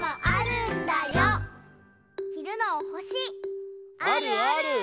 あるある！